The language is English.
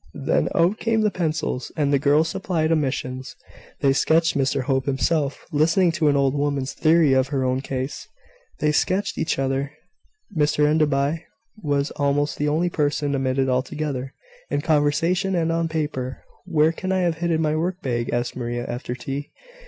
Then out came the pencils, and the girls supplied omissions. They sketched Mr Hope himself; listening to an old woman's theory of her own case; they sketched each other. Mr Enderby was almost the only person omitted altogether, in conversation and on paper. "Where can I have hidden my work bag?" asked Maria, after tea.